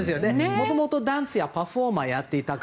もともとダンスやパフォーマーをやっていて。